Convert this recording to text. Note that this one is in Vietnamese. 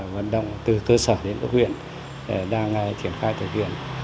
vận động từ cơ sở đến các huyện đang triển khai từ huyện